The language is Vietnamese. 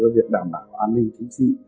cho việc đảm bảo an ninh chính trị